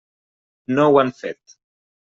No ho han fet.